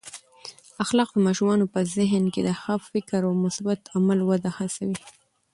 اخلاق د ماشومانو په ذهن کې د ښه فکر او مثبت عمل وده هڅوي.